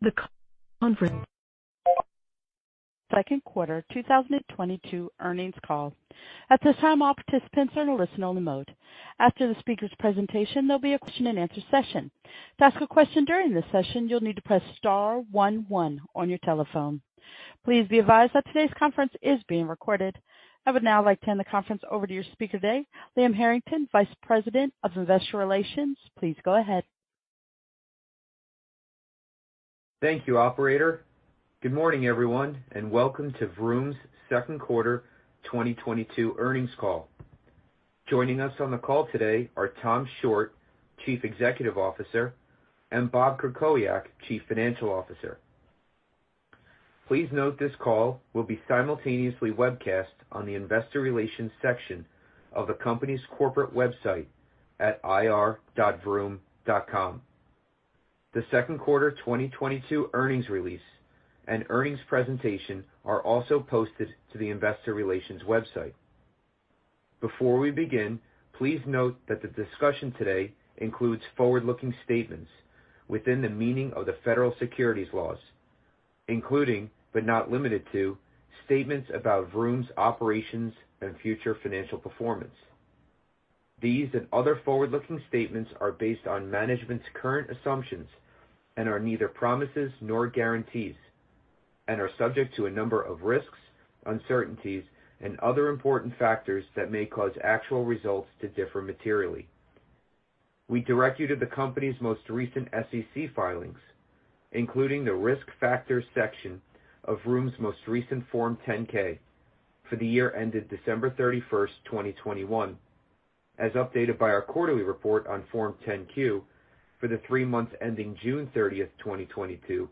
The conference Q2 2022 Earnings Call. At this time, all participants are in a listen-only mode. After the speaker's presentation, there'll be a Q&A session. To ask a question during this session, you'll need to press star one one on your telephone. Please be advised that today's conference is being recorded. I would now like to hand the conference over to your speaker today, Liam Harrington, Vice President of Investor Relations. Please go ahead. Thank you, operator. Good morning, everyone, and welcome to Vroom's Q2 2022 Earnings Call. Joining us on the call today are Tom Shortt, Chief Executive Officer, and Bob Krakowiak, Chief Financial Officer. Please note this call will be simultaneously webcast on the investor relations section of the company's corporate website at ir.vroom.com. The Q2 2022 earnings release and earnings presentation are also posted to the investor relations website. Before we begin, please note that the discussion today includes forward-looking statements within the meaning of the Federal Securities laws, including, but not limited to, statements about Vroom's operations and future financial performance. These and other forward-looking statements are based on management's current assumptions and are neither promises nor guarantees, and are subject to a number of risks, uncertainties, and other important factors that may cause actual results to differ materially. We direct you to the company's most recent SEC filings, including the Risk Factors section of Vroom's most recent Form 10-K for the year ended December 31, 2021, as updated by our quarterly report on Form 10-Q for the three months ending June 30, 2022,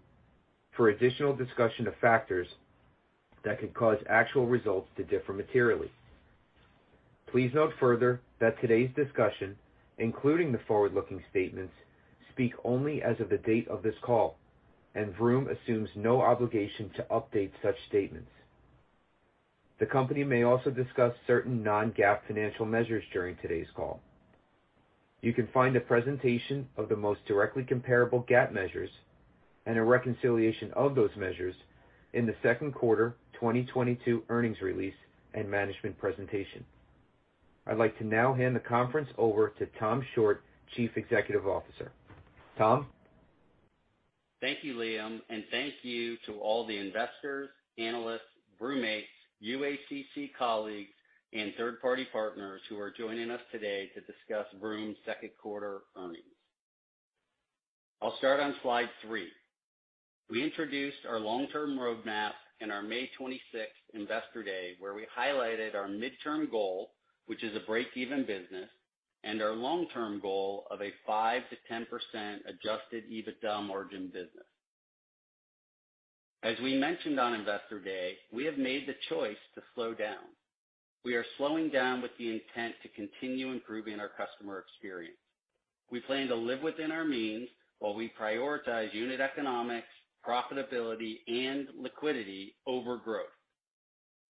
for additional discussion of factors that could cause actual results to differ materially. Please note further that today's discussion, including the forward-looking statements, speak only as of the date of this call, and Vroom assumes no obligation to update such statements. The company may also discuss certain non-GAAP financial measures during today's call. You can find a presentation of the most directly comparable GAAP measures and a reconciliation of those measures in the Q2 2022 earnings release and management presentation. I'd like to now hand the conference over to Tom Shortt, Chief Executive Officer. Tom? Thank you, Liam, and thank you to all the investors, analysts, Vroommates, UACC colleagues, and third-party partners who are joining us today to discuss Vroom's Q2 earnings. I'll start on slide three. We introduced our long-term roadmap in our May 26th Investor Day, where we highlighted our midterm goal, which is a break-even business, and our long-term goal of a 5%-10% adjusted EBITDA margin business. As we mentioned on Investor Day, we have made the choice to slow down. We are slowing down with the intent to continue improving our customer experience. We plan to live within our means while we prioritize unit economics, profitability, and liquidity over growth.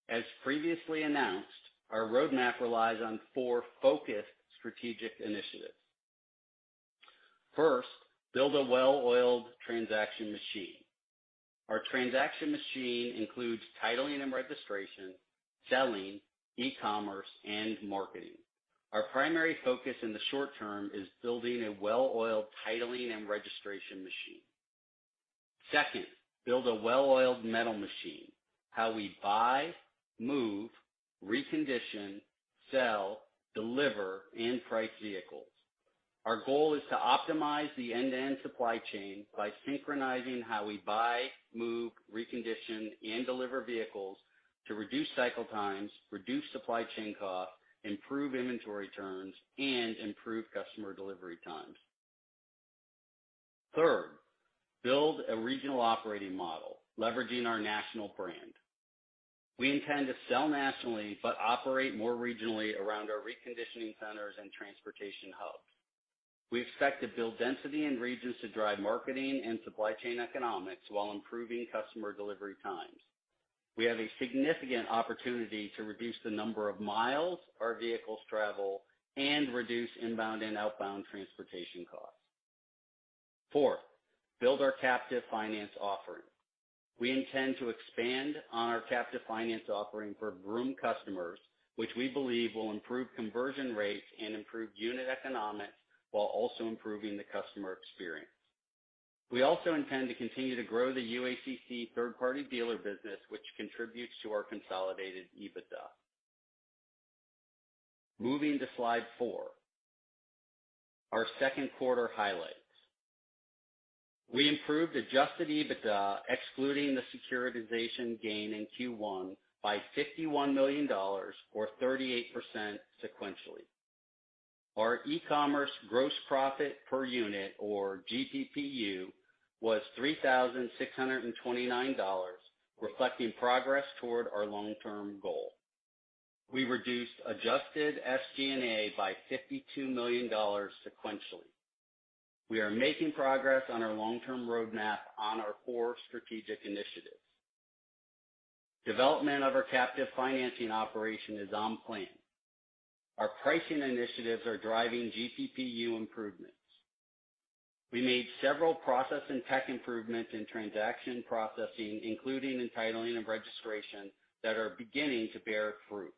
As previously announced, our roadmap relies on four focused strategic initiatives. First, build a well-oiled transaction machine. Our transaction machine includes titling and registration, selling, e-commerce, and marketing. Our primary focus in the short-term is building a well-oiled titling and registration machine. Second, build a well-oiled metal machine. How we buy, move, recondition, sell, deliver, and price vehicles. Our goal is to optimize the end-to-end supply chain by synchronizing how we buy, move, recondition, and deliver vehicles to reduce cycle times, reduce supply chain costs, improve inventory turns, and improve customer delivery times. Third, build a regional operating model leveraging our national brand. We intend to sell nationally but operate more regionally around our reconditioning centers and transportation hubs. We expect to build density in regions to drive marketing and supply chain economics while improving customer delivery times. We have a significant opportunity to reduce the number of miles our vehicles travel and reduce inbound and outbound transportation costs. Four, build our captive finance offering. We intend to expand on our captive finance offering for Vroom customers, which we believe will improve conversion rates and improve unit economics while also improving the customer experience. We also intend to continue to grow the UACC third-party dealer business, which contributes to our consolidated EBITDA. Moving to slide four, our Q2 highlights. We improved adjusted EBITDA, excluding the securitization gain in Q1, by $51 million or 38% sequentially. Our e-commerce gross profit per unit, or GPPU, was $3,629, reflecting progress toward our long-term goal. We reduced adjusted SG&A by $52 million sequentially. We are making progress on our long-term roadmap on our four strategic initiatives. Development of our captive financing operation is on plan. Our pricing initiatives are driving GPPU improvements. We made several process and tech improvements in transaction processing, including in titling and registration, that are beginning to bear fruit.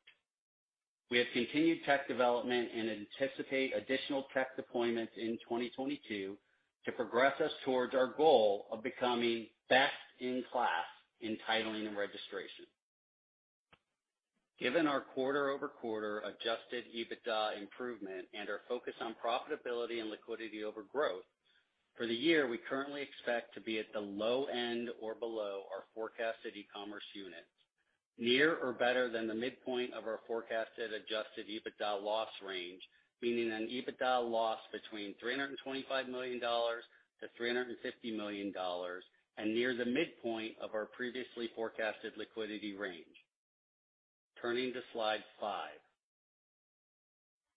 We have continued tech development and anticipate additional tech deployments in 2022 to progress us towards our goal of becoming best in class in titling and registration. Given our quarter-over-quarter adjusted EBITDA improvement and our focus on profitability and liquidity over growth, for the year, we currently expect to be at the low end or below our forecasted e-commerce units, near or better than the midpoint of our forecasted adjusted EBITDA loss range, meaning an EBITDA loss between $325 million and $350 million, and near the midpoint of our previously forecasted liquidity range. Turning to slide five.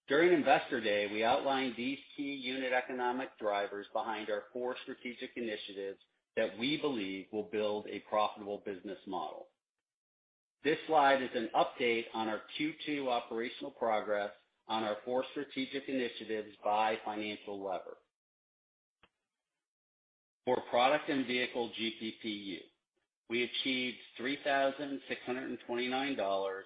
During Investor Day, we outlined these key unit economic drivers behind our four strategic initiatives that we believe will build a profitable business model. This slide is an update on our Q2 operational progress on our four strategic initiatives by financial lever. For product and vehicle GPPU, we achieved $3,629 e-commerce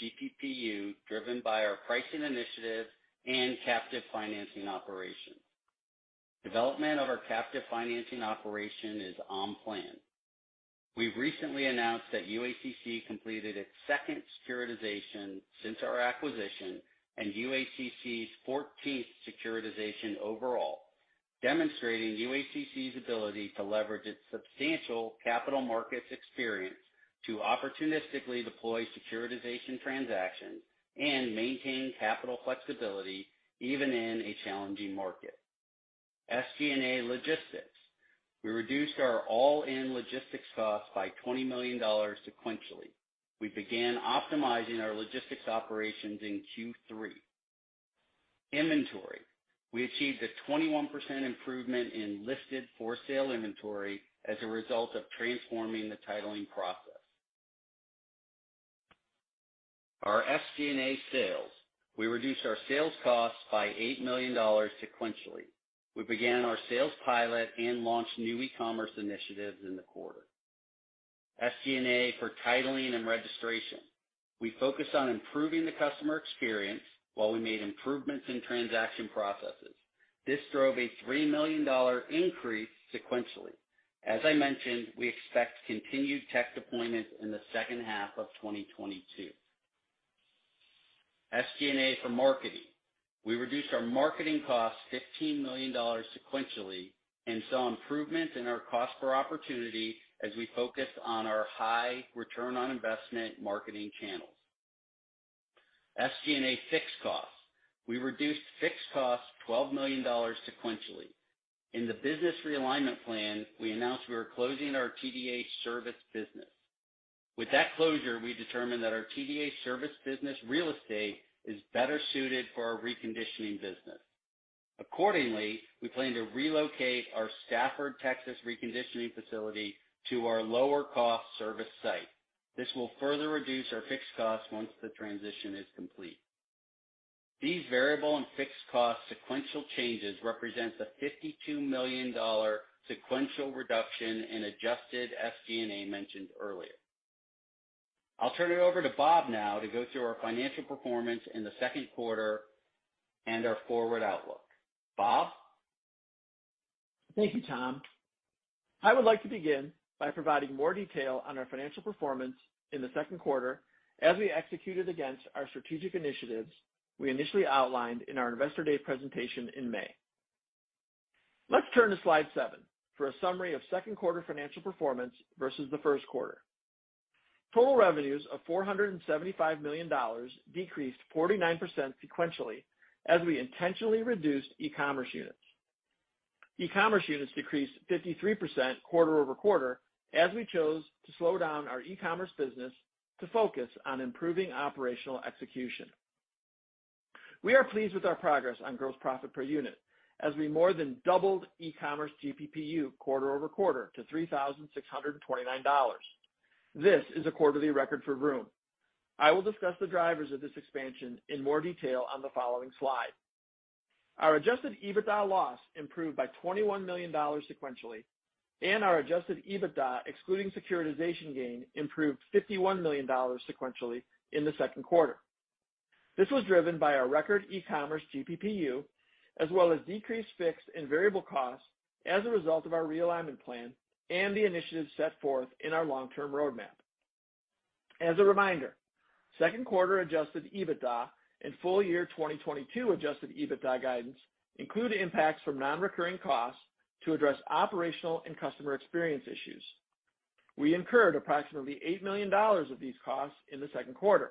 GPPU driven by our pricing initiative and captive financing operation. Development of our captive financing operation is on plan. We've recently announced that UACC completed its second securitization since our acquisition and UACC's 14th securitization overall, demonstrating UACC's ability to leverage its substantial capital markets experience to opportunistically deploy securitization transactions and maintain capital flexibility even in a challenging market. SG&A logistics. We reduced our all-in logistics costs by $20 million sequentially. We began optimizing our logistics operations in Q3. Inventory. We achieved a 21% improvement in listed for-sale inventory as a result of transforming the titling process. Our SG&A sales. We reduced our sales costs by $8 million sequentially. We began our sales pilot and launched new e-commerce initiatives in the quarter. SG&A for titling and registration. We focused on improving the customer experience while we made improvements in transaction processes. This drove a $3 million increase sequentially. As I mentioned, we expect continued tech deployments in the second half of 2022. SG&A for marketing. We reduced our marketing costs $15 million sequentially and saw improvement in our cost per opportunity as we focused on our high return on investment marketing channels. SG&A fixed costs. We reduced fixed costs $12 million sequentially. In the business realignment plan, we announced we were closing our TDA service business. With that closure, we determined that our TDA service business real estate is better suited for our reconditioning business. Accordingly, we plan to relocate our Stafford, Texas, reconditioning facility to our lower-cost service site. This will further reduce our fixed costs once the transition is complete. These variable and fixed cost sequential changes represents a $52 million sequential reduction in adjusted SG&A mentioned earlier. I'll turn it over to Bob now to go through our financial performance in the Q2 and our forward outlook. Bob? Thank you, Tom. I would like to begin by providing more detail on our financial performance in the Q2 as we executed against our strategic initiatives we initially outlined in our Investor Day presentation in May. Let's turn to slide seven for a summary of Q2 financial performance versus the Q1. Total revenues of $475 million decreased 49% sequentially as we intentionally reduced e-commerce units. E-commerce units decreased 53% quarter-over-quarter as we chose to slow down our e-commerce business to focus on improving operational execution. We are pleased with our progress on gross profit per unit as we more than doubled e-commerce GPPU quarter-over-quarter to $3,629. This is a quarterly record for Vroom. I will discuss the drivers of this expansion in more detail on the following slide. Our adjusted EBITDA loss improved by $21 million sequentially, and our adjusted EBITDA, excluding securitization gain, improved $51 million sequentially in the Q2. This was driven by our record e-commerce GPPU, as well as decreased fixed and variable costs as a result of our realignment plan and the initiatives set forth in our long-term roadmap. As a reminder, Q2 adjusted EBITDA and Full Year 2022 adjusted EBITDA guidance include impacts from non-recurring costs to address operational and customer experience issues. We incurred approximately $8 million of these costs in the Q2.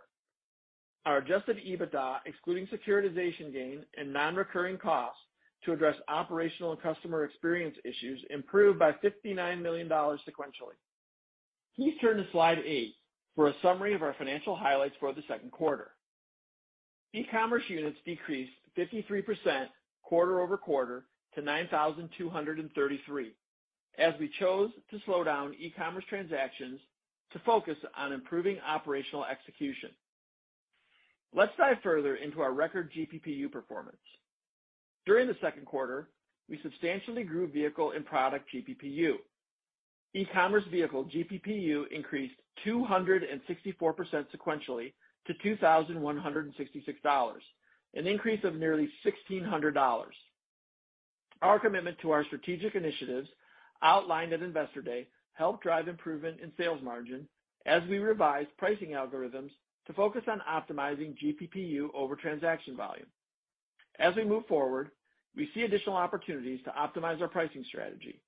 Our adjusted EBITDA, excluding securitization gain and non-recurring costs to address operational and customer experience issues, improved by $59 million sequentially. Please turn to slide eight for a summary of our financial highlights for the Q2. e-commerce units decreased 53% quarter-over-quarter to 9,233, as we chose to slow down e-commerce transactions to focus on improving operational execution. Let's dive further into our record GPPU performance. During the Q2, we substantially grew vehicle and product GPPU. E-commerce vehicle GPPU increased 264% sequentially to $2,116, an increase of nearly $1,600. Our commitment to our strategic initiatives outlined at Investor Day helped drive improvement in sales margin as we revised pricing algorithms to focus on optimizing GPPU over transaction volume. As we move forward, we see additional opportunities to optimize our pricing strategy.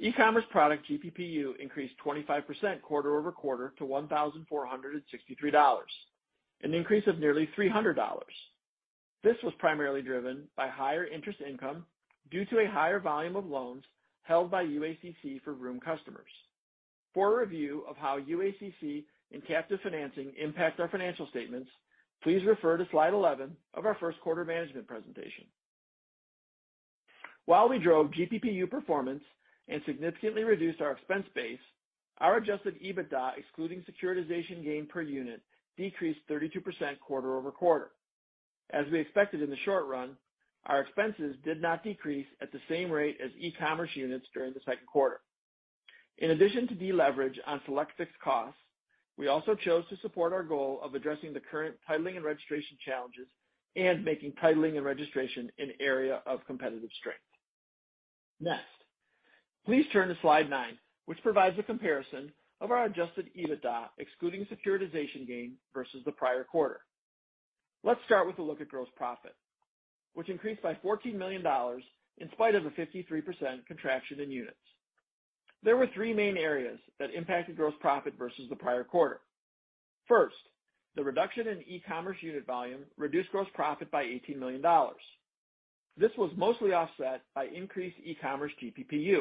E-commerce product GPPU increased 25% quarter-over-quarter to $1,463, an increase of nearly $300. This was primarily driven by higher interest income due to a higher volume of loans held by UACC for Vroom customers. For a review of how UACC and captive financing impact our financial statements, please refer to slide 11 of our Q1 management presentation. While we drove GPPU performance and significantly reduced our expense base, our adjusted EBITDA, excluding securitization gain per unit, decreased 32% quarter-over-quarter. As we expected in the short run, our expenses did not decrease at the same rate as e-commerce units during the Q2. In addition to deleverage on select fixed costs, we also chose to support our goal of addressing the current titling and registration challenges and making titling and registration an area of competitive strength. Next, please turn to slide nine, which provides a comparison of our adjusted EBITDA, excluding securitization gain versus the prior quarter. Let's start with a look at gross profit, which increased by $14 million in spite of a 53% contraction in units. There were three main areas that impacted gross profit versus the prior quarter. First, the reduction in e-commerce unit volume reduced gross profit by $18 million. This was mostly offset by increased e-commerce GPPU,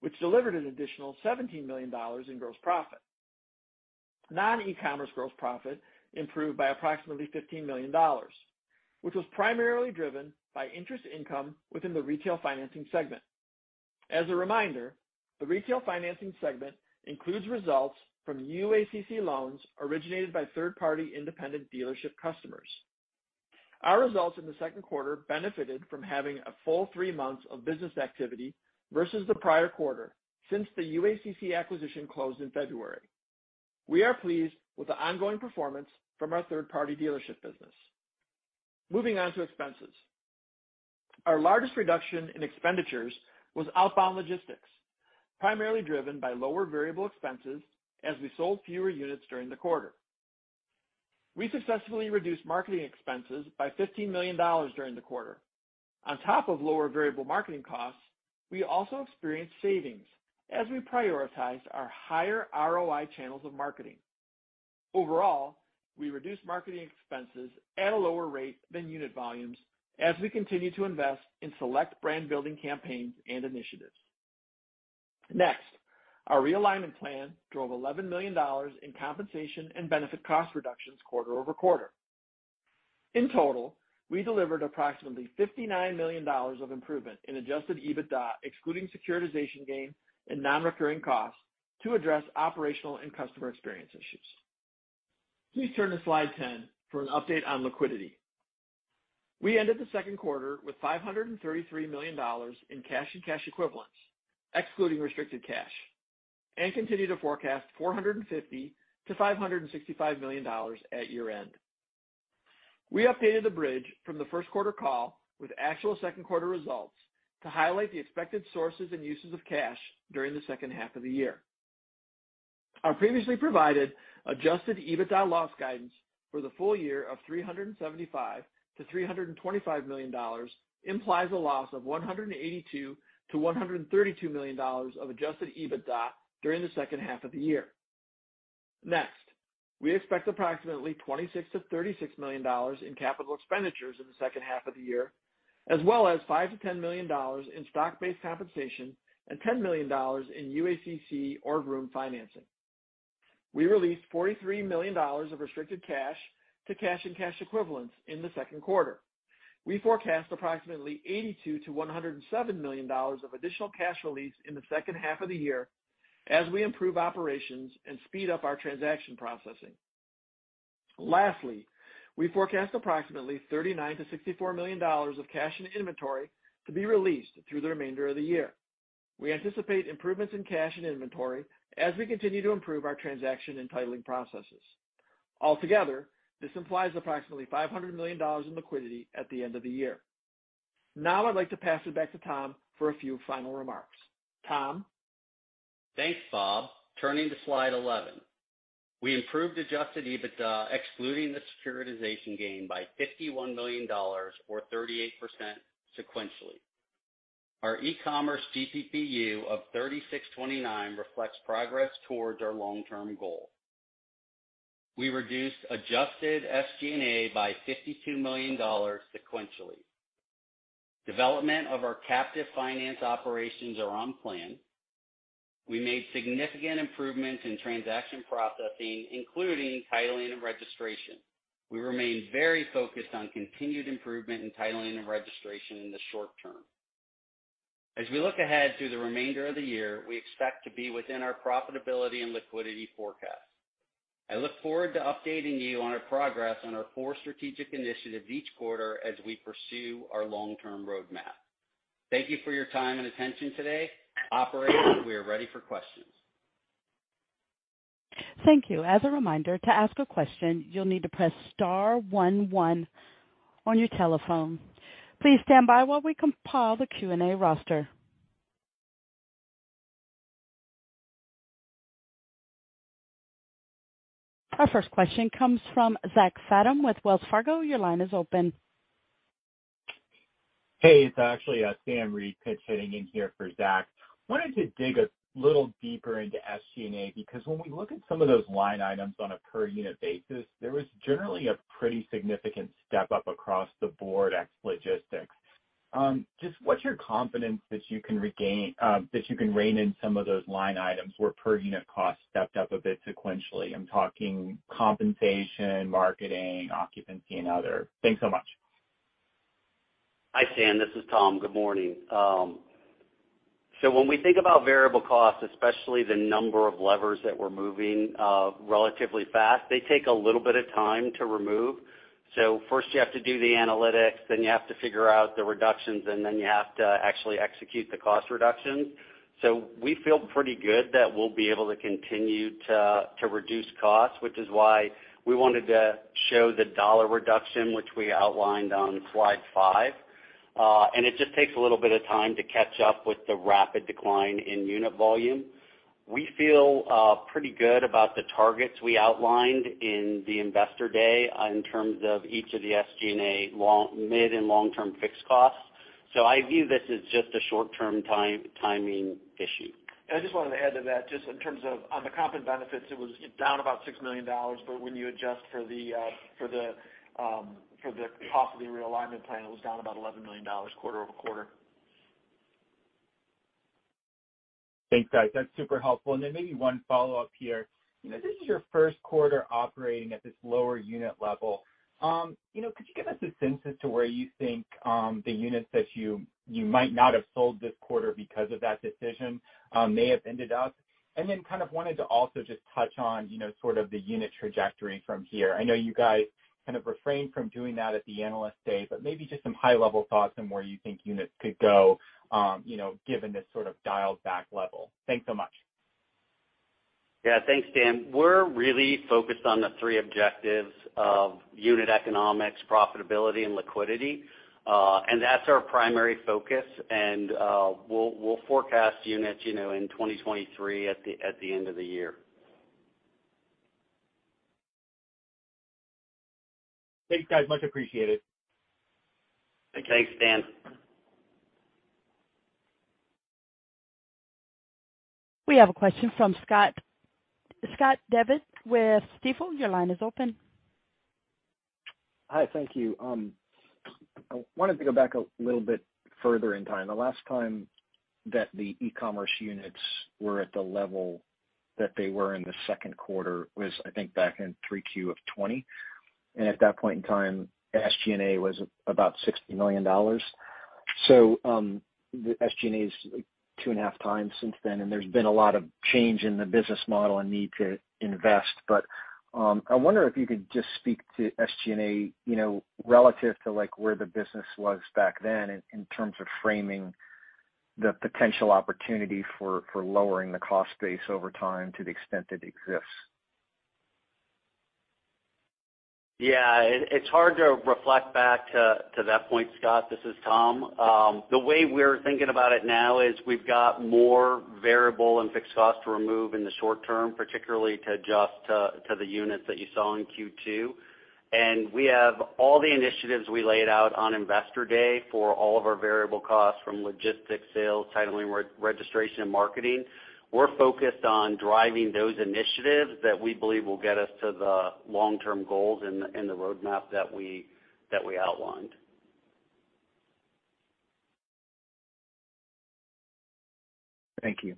which delivered an additional $17 million in gross profit. Non-e-commerce gross profit improved by approximately $15 million, which was primarily driven by interest income within the retail financing segment. As a reminder, the retail financing segment includes results from UACC loans originated by third-party independent dealership customers. Our results in the Q2 benefited from having a full three months of business activity versus the prior quarter since the UACC acquisition closed in February. We are pleased with the ongoing performance from our third-party dealership business. Moving on to expenses. Our largest reduction in expenditures was outbound logistics, primarily driven by lower variable expenses as we sold fewer units during the quarter. We successfully reduced marketing expenses by $15 million during the quarter. On top of lower variable marketing costs, we also experienced savings as we prioritized our higher ROI channels of marketing. Overall, we reduced marketing expenses at a lower rate than unit volumes as we continue to invest in select brand building campaigns and initiatives. Next, our realignment plan drove $11 million in compensation and benefit cost reductions quarter-over-quarter. In total, we delivered approximately $59 million of improvement in adjusted EBITDA, excluding securitization gain and non-recurring costs to address operational and customer experience issues. Please turn to slide 10 for an update on liquidity. We ended the Q2 with $533 million in cash and cash equivalents, excluding restricted cash, and continue to forecast $450 million-$565 million at year-end. We updated the bridge from the Q1 call with actual Q2 results to highlight the expected sources and uses of cash during the second half of the year. Our previously provided adjusted EBITDA loss guidance for the full year of $375 million-$325 million implies a loss of $182 million-$132 million of adjusted EBITDA during the second half of the year. Next, we expect approximately $26 million-$36 million in capital expenditures in the second half of the year, as well as $5 million-$10 million in stock-based compensation and $10 million in UACC or Vroom financing. We released $43 million of restricted cash to cash and cash equivalents in the Q2. We forecast approximately $82 million-$107 million of additional cash release in the second half of the year as we improve operations and speed up our transaction processing. Lastly, we forecast approximately $39-$64 million of cash and inventory to be released through the remainder of the year. We anticipate improvements in cash and inventory as we continue to improve our transaction and titling processes. Altogether, this implies approximately $500 million in liquidity at the end of the year. Now I'd like to pass it back to Tom for a few final remarks. Tom? Thanks, Bob. Turning to slide 11. We improved adjusted EBITDA, excluding the securitization gain, by $51 million or 38% sequentially. Our e-commerce GPPU of 3,629 reflects progress towards our long-term goal. We reduced adjusted SG&A by $52 million sequentially. Development of our captive finance operations are on plan. We made significant improvements in transaction processing, including titling and registration. We remain very focused on continued improvement in titling and registration in the short-term. As we look ahead through the remainder of the year, we expect to be within our profitability and liquidity forecast. I look forward to updating you on our progress on our four strategic initiatives each quarter as we pursue our long-term roadmap. Thank you for your time and attention today. Operator, we are ready for questions. Thank you. As a reminder, to ask a question, you'll need to press star one one on your telephone. Please stand by while we compile the Q&A roster. Our first question comes from Zach Fadem with Wells Fargo. Your line is open. Hey, it's actually Sam Reid pitch hitting in here for Zach. Wanted to dig a little deeper into SG&A, because when we look at some of those line items on a per unit basis, there was generally a pretty significant step up across the Bordex Logistics. Just what's your confidence that you can rein in some of those line items where per unit cost stepped up a bit sequentially? I'm talking compensation, marketing, occupancy, and other. Thanks so much. Hi, Sam, this is Tom. Good morning. When we think about variable costs, especially the number of levers that we're moving relatively fast, they take a little bit of time to remove. First you have to do the analytics, then you have to figure out the reductions, and then you have to actually execute the cost reductions. We feel pretty good that we'll be able to continue to reduce costs, which is why we wanted to show the dollar reduction, which we outlined on slide five. It just takes a little bit of time to catch up with the rapid decline in unit volume. We feel pretty good about the targets we outlined in the Investor Day in terms of each of the SG&A mid- and long-term fixed costs. I view this as just a short-term timing issue. I just wanted to add to that, just in terms of on the comp and benefits, it was down about $6 million, but when you adjust for the cost of the realignment plan, it was down about $11 million quarter-over-quarter. Thanks, guys. That's super helpful. Maybe one follow-up here. You know, this is your Q1 operating at this lower-unit level. You know, could you give us a sense as to where you think the units that you might not have sold this quarter because of that decision may have ended up? Kind of wanted to also just touch on, you know, sort of the unit trajectory from here. I know you guys kind of refrained from doing that at the Analyst Day, but maybe just some high-level thoughts on where you think units could go, you know, given this sort of dialed back level. Thanks so much. Yeah. Thanks, Sam Reid. We're really focused on the three objectives of unit economics, profitability, and liquidity. That's our primary focus. We'll forecast units, you know, in 2023 at the end of the year. Thanks, guys. Much appreciated. Okay. Thanks, Sam Reid. We have a question from Scott. Scott Devitt with Stifel, your line is open. Hi. Thank you. I wanted to go back a little bit further in time. The last time that the e-commerce units were at the level that they were in the Q2 was, I think, back in 3Q of 2020. At that point in time, SG&A was about $60 million. The SG&A is 2.5 times since then, and there's been a lot of change in the business model and need to invest. I wonder if you could just speak to SG&A, you know, relative to, like, where the business was back then in terms of framing the potential opportunity for lowering the cost base over time to the extent it exists. Yeah. It's hard to reflect back to that point, Scott. This is Tom. The way we're thinking about it now is we've got more variable and fixed costs to remove in the short-term, particularly to adjust to the units that you saw in Q2. We have all the initiatives we laid out on Investor Day for all of our variable costs from logistics, sales, titling, re-registration, and marketing. We're focused on driving those initiatives that we believe will get us to the long-term goals and the roadmap that we outlined. Thank you.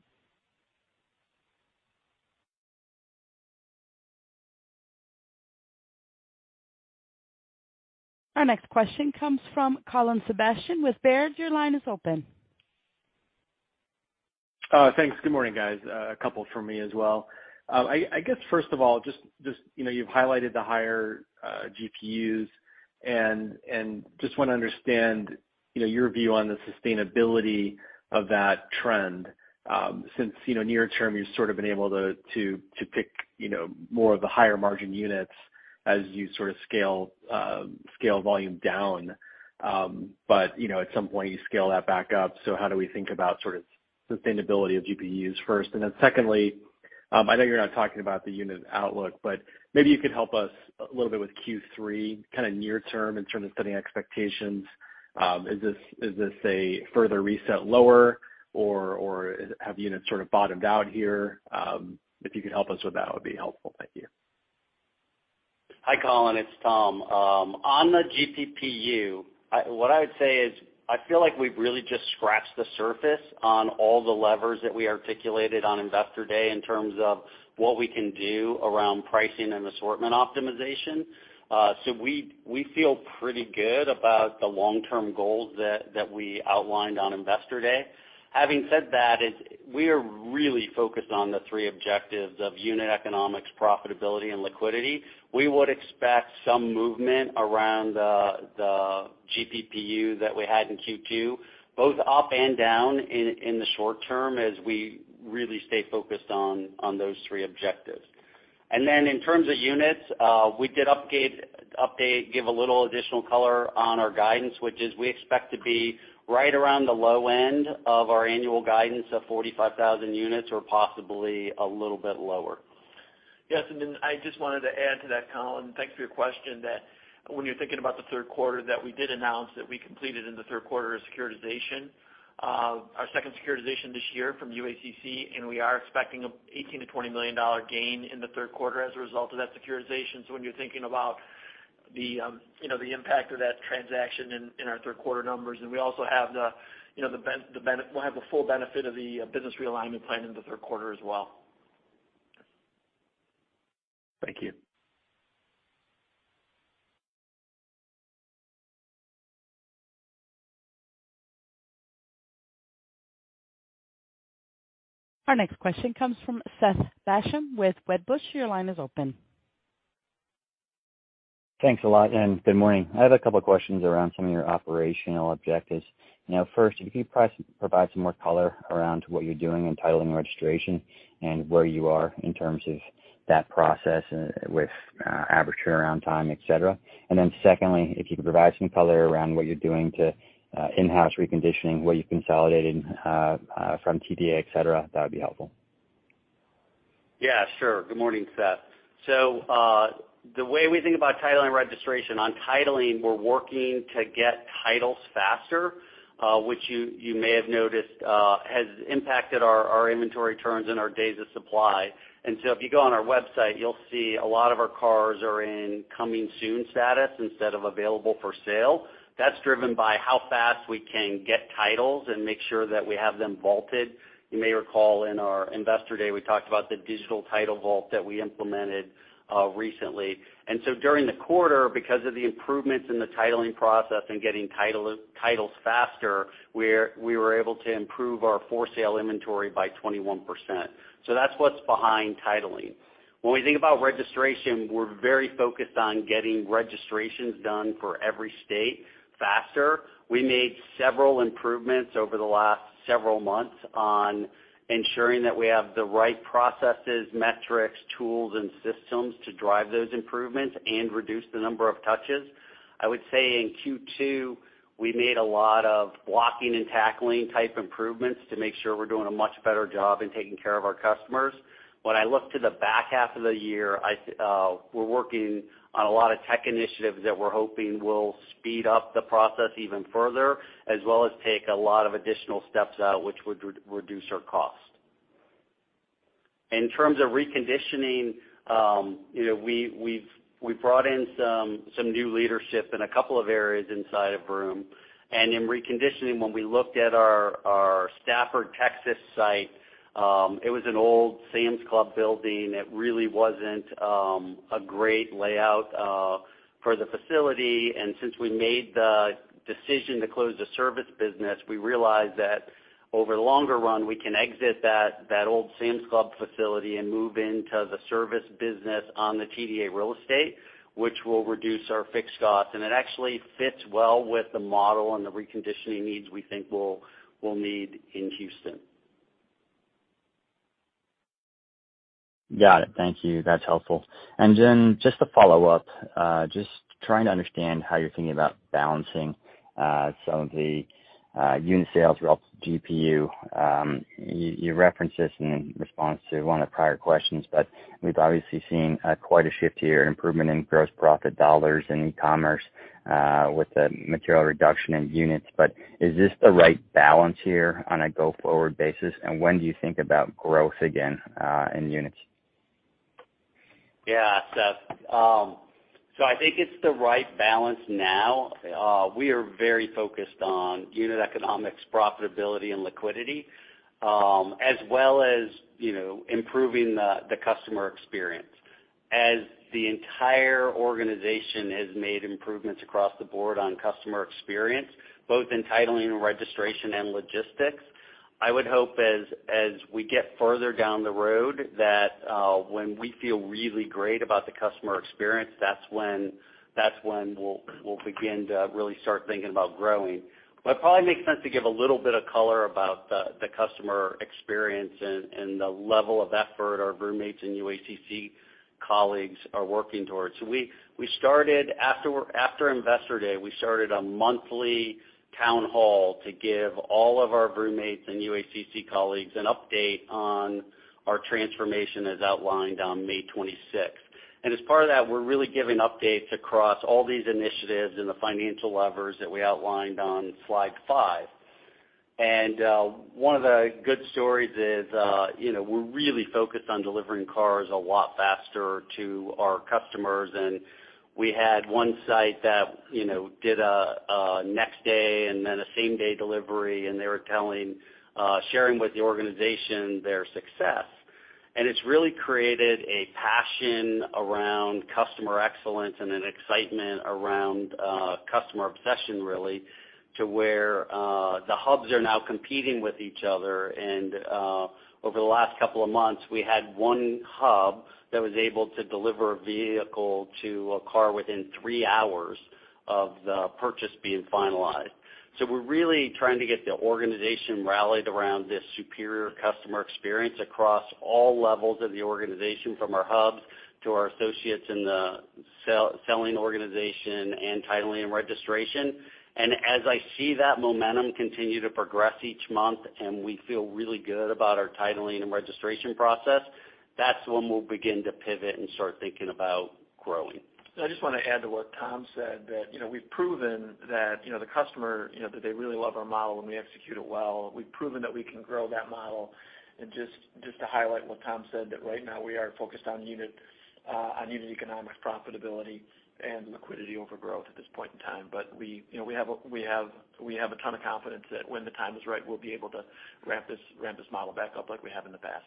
Our next question comes from Colin Sebastian with Baird. Your line is open. Thanks. Good morning, guys. A couple from me as well. I guess, first of all, just, you know, you've highlighted the higher GPUs and just wanna understand, you know, your view on the sustainability of that trend, since, you know, near-term, you've sort of been able to pick, you know, more of the higher margin units as you sort of scale volume down. You know, at some point, you scale that back up. How do we think about sort of sustainability of GPUs first? Then secondly, I know you're not talking about the unit outlook, but maybe you could help us a little bit with Q3, kind of near-term in terms of setting expectations. Is this a further reset lower, or have units sort of bottomed out here? If you could help us with that would be helpful. Thank you. Hi, Colin, it's Tom. On the GPPU, what I would say is I feel like we've really just scratched the surface on all the levers that we articulated on Investor Day in terms of what we can do around pricing and assortment optimization. We feel pretty good about the long-term goals that we outlined on Investor Day. Having said that, we are really focused on the three objectives of unit economics, profitability, and liquidity. We would expect some movement around the GPPU that we had in Q2, both up and down in the short-term as we really stay focused on those three objectives. In terms of units, we did update, give a little additional color on our guidance, which is we expect to be right around the low end of our annual guidance of 45,000 units or possibly a little bit lower. Yes, I just wanted to add to that, Colin. Thanks for your question, that when you're thinking about the Q3, we did announce that we completed in the Q3 a securitization, our second securitization this year from UACC, and we are expecting an $18-$20 million gain in the Q3 as a result of that securitization. When you're thinking about the impact of that transaction in our Q3 numbers, we'll have the full benefit of the business realignment plan in the Q3 as well. Thank you. Our next question comes from Seth Basham with Wedbush. Your line is open. Thanks a lot, and good morning. I have a couple of questions around some of your operational objectives. Now, first, if you could provide some more color around what you're doing in titling registration and where you are in terms of that process with average turnaround time, et cetera. Secondly, if you could provide some color around what you're doing to in-house reconditioning, what you've consolidated from TDA, et cetera, that would be helpful. Yeah, sure. Good morning, Seth. The way we think about titling registration, on titling, we're working to get titles faster, which you may have noticed, has impacted our inventory turns and our days of supply. If you go on our website, you'll see a lot of our cars are in coming soon status instead of available for sale. That's driven by how fast we can get titles and make sure that we have them vaulted. You may recall in our Investor Day, we talked about the digital title vault that we implemented recently. During the quarter, because of the improvements in the titling process and getting titles faster, we were able to improve our for sale inventory by 21%. That's what's behind titling. When we think about registration, we're very focused on getting registrations done for every state faster. We made several improvements over the last several months on ensuring that we have the right processes, metrics, tools, and systems to drive those improvements and reduce the number of touches. I would say in Q2, we made a lot of blocking and tackling type improvements to make sure we're doing a much better job in taking care of our customers. When I look to the back half of the year, we're working on a lot of tech initiatives that we're hoping will speed up the process even further, as well as take a lot of additional steps out, which would reduce our cost. In terms of reconditioning, you know, we've brought in some new leadership in a couple of areas inside of Vroom. In reconditioning, when we looked at our Stafford, Texas site, it was an old Sam's Club building. It really wasn't a great layout for the facility. Since we made the decision to close the service business, we realized that over the longer run, we can exit that old Sam's Club facility and move into the service business on the TDA real estate, which will reduce our fixed costs. It actually fits well with the model and the reconditioning needs we think we'll need in Houston. Got it. Thank you. That's helpful. Just to follow up, just trying to understand how you're thinking about balancing some of the unit sales throughout the GPU. You referenced this in response to one of the prior questions, but we've obviously seen quite a shift here, an improvement in gross profit dollars in e-commerce with the material reduction in units. Is this the right balance here on a go-forward basis? When do you think about growth again in units? Yeah, Seth. I think it's the right balance now. We are very focused on unit economics, profitability, and liquidity, as well as, you know, improving the customer experience. As the entire organization has made improvements across the board on customer experience, both in titling, registration, and logistics, I would hope as we get further down the road that, when we feel really great about the customer experience, that's when we'll begin to really start thinking about growing. It probably makes sense to give a little bit of color about the customer experience and the level of effort our Vroommates and UACC colleagues are working towards. We started after Investor Day a monthly town hall to give all of our Vroommates and UACC colleagues an update on our transformation as outlined on May 26th. As part of that, we're really giving updates across all these initiatives and the financial levers that we outlined on slide five. One of the good stories is, you know, we're really focused on delivering cars a lot faster to our customers. We had one site that, you know, did a next-day and then a same-day delivery, and they were sharing with the organization their success. It's really created a passion around customer excellence and an excitement around customer obsession, really, to where the hubs are now competing with each other. Over the last couple of months, we had one hub that was able to deliver a vehicle to a customer within three hours of the purchase being finalized. We're really trying to get the organization rallied around this superior customer experience across all levels of the organization, from our hubs to our associates in the selling organization and titling and registration. As I see that momentum continue to progress each month, and we feel really good about our titling and registration process, that's when we'll begin to pivot and start thinking about growing. I just want to add to what Tom said, that, you know, we've proven that, you know, the customer, you know, that they really love our model, and we execute it well. We've proven that we can grow that model. Just to highlight what Tom said, that right now we are focused on unit economics, profitability, and liquidity over growth at this point in time. We, you know, we have a ton of confidence that when the time is right, we'll be able to ramp this model back up like we have in the past.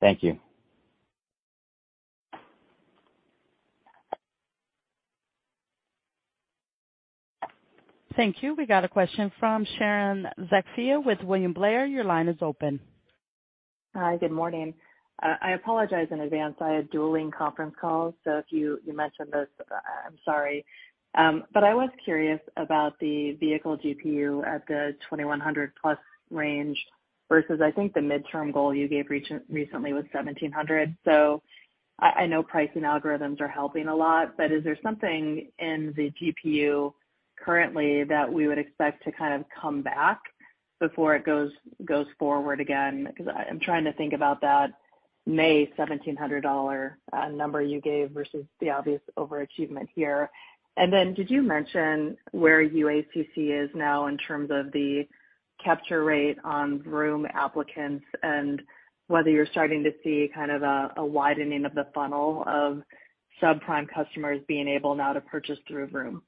Thank you. Thank you. We got a question from Sharon Zackfia with William Blair. Your line is open. Hi, good morning. I apologize in advance. I had dueling conference calls. So if you mentioned this, I'm sorry. But I was curious about the vehicle GPU at the 2,100+ range versus, I think the midterm goal you gave recently was 1,700. So I know pricing algorithms are helping a lot, but is there something in the GPU currently that we would expect to kind of come back before it goes forward again? Because I'm trying to think about that May $1,700 number you gave versus the obvious overachievement here. Then did you mention where UACC is now in terms of the capture rate on Vroom applicants and whether you're starting to see kind of a widening of the funnel of subprime customers being able now to purchase through Vroom?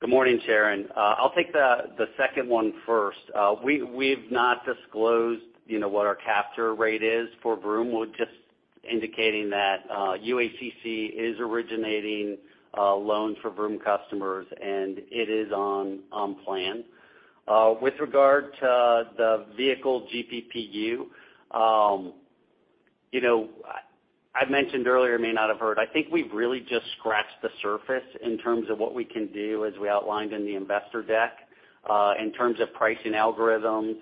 Good morning, Sharon. I'll take the second one first. We've not disclosed, you know, what our capture rate is for Vroom. We're just indicating that UACC is originating a loan for Vroom customers, and it is on plan. With regard to the vehicle GPPU, you know, I mentioned earlier, may not have heard, I think we've really just scratched the surface in terms of what we can do as we outlined in the investor deck, in terms of pricing algorithms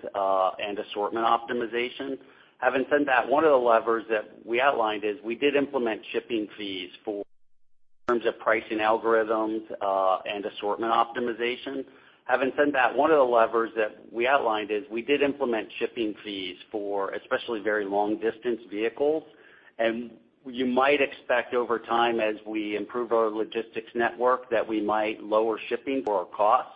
and assortment optimization. Having said that, one of the levers that we outlined is we did implement shipping fees for especially very long-distance vehicles. You might expect over time, as we improve our logistics network, that we might lower shipping costs.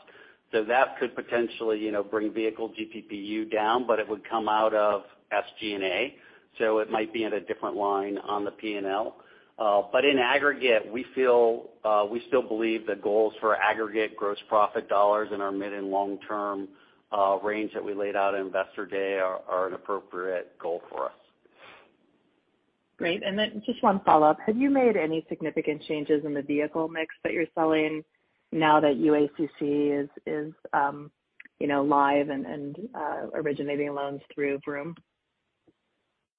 That could potentially, you know, bring vehicle GPPU down, but it would come out of SG&A. It might be in a different line on the P&L. In aggregate, we feel, we still believe the goals for aggregate gross profit dollars in our mid- and long-term range that we laid out at Investor Day are an appropriate goal for us. Great. Just one follow-up. Have you made any significant changes in the vehicle mix that you're selling now that UACC is, you know, live and originating loans through Vroom?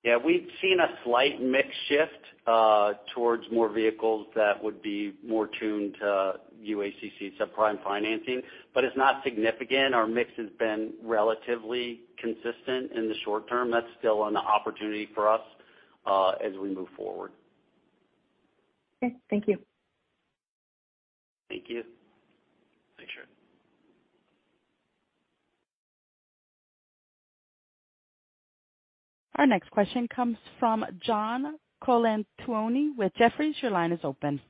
Yeah, we've seen a slight mix shift, towards more vehicles that would be more tuned to UACC subprime financing, but it's not significant. Our mix has been relatively consistent in the short-term. That's still an opportunity for us, as we move forward. Okay. Thank you. Thank you. Thanks, Sharon. Our next question comes from John Colantuoni with Jefferies. Your line is open.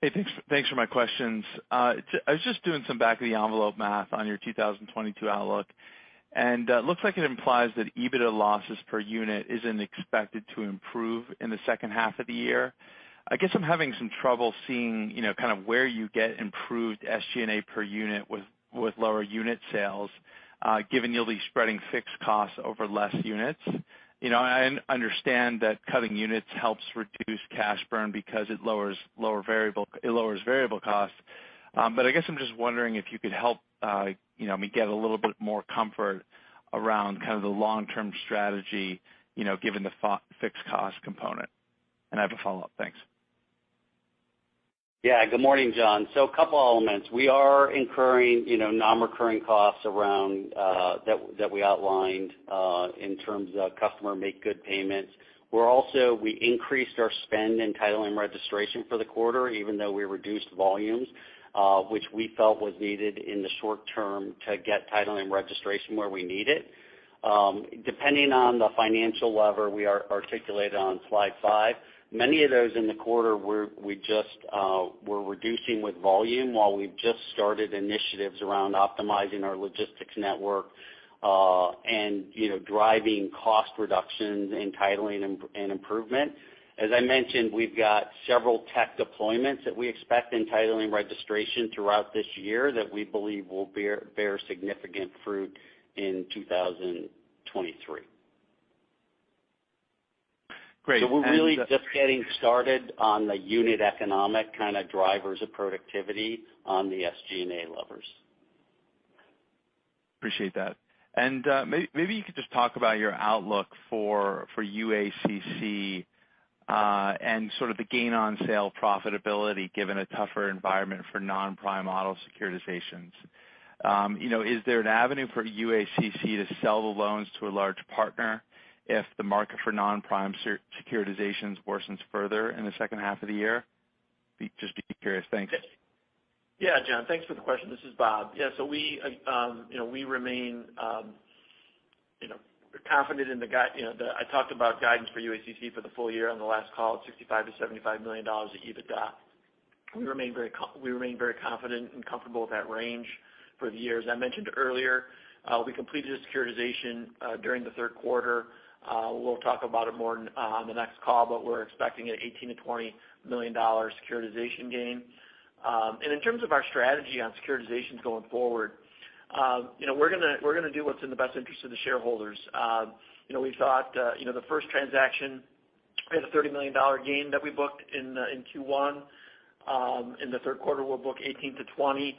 Hey, thanks for my questions. I was just doing some back-of-the-envelope math on your 2022 outlook, and it looks like it implies that EBITDA losses per unit isn't expected to improve in the second half of the year. I guess I'm having some trouble seeing, you know, kind of where you get improved SG&A per unit with lower unit sales, given you'll be spreading fixed costs over less units. You know, I understand that cutting units helps reduce cash burn because it lowers variable costs. But I guess I'm just wondering if you could help, you know, me get a little bit more comfort around kind of the long-term strategy, given the fixed cost component. I have a follow-up. Thanks. Yeah. Good morning, John. A couple elements. We are incurring, you know, non-recurring costs around that we outlined in terms of customer makegood payments. We increased our spend in title and registration for the quarter, even though we reduced volumes, which we felt was needed in the short-term to get title and registration where we need it. Depending on the financial levers that we articulated on slide five, many of those in the quarter, we're reducing with volume while we've just started initiatives around optimizing our logistics network, and, you know, driving cost reductions in titling and improvement. As I mentioned, we've got several tech deployments that we expect in titling registration throughout this year that we believe will bear significant fruit in 2023. Great. We're really just getting started on the unit economic kind of drivers of productivity on the SG&A levers. Appreciate that. Maybe you could just talk about your outlook for UACC and sort of the gain on sale profitability given a tougher environment for non-prime auto securitizations. You know, is there an avenue for UACC to sell the loans to a large partner if the market for non-prime securitizations worsens further in the second half of the year? But just be curious. Thanks. Yeah, John, thanks for the question. This is Bob. Yeah, so we, you know, we remain, you know, confident. I talked about guidance for UACC for the full year on the last call, $65-$75 million of EBITDA. We remain very confident and comfortable with that range for the year. As I mentioned earlier, we completed a securitization during the Q3. We'll talk about it more on the next call, but we're expecting $18-$20 million securitization gain. In terms of our strategy on securitizations going forward, you know, we're gonna do what's in the best interest of the shareholders. You know, we thought, you know, the first transaction had a $30 million gain that we booked in Q1. In the Q3, we'll book $18-$20,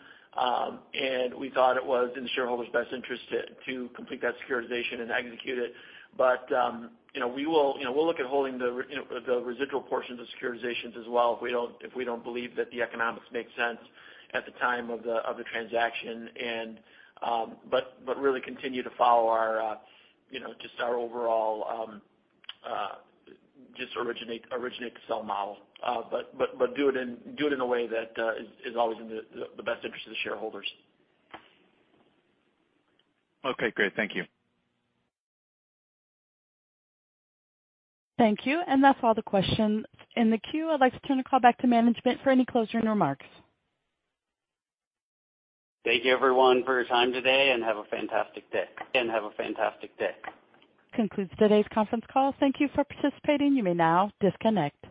and we thought it was in the shareholders' best interest to complete that securitization and execute it. You know, we will, you know, we'll look at holding the residual portions of securitizations as well if we don't believe that the economics make sense at the time of the transaction and but really continue to follow our you know just our overall just originate to sell model. Do it in a way that is always in the best interest of the shareholders. Okay, great. Thank you. Thank you. That's all the questions in the queue. I'd like to turn the call back to management for any closing remarks. Thank you everyone for your time today, and have a fantastic day. Concludes today's conference call. Thank you for participating. You may now disconnect.